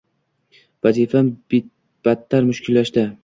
Vazifam battar mushkullashdi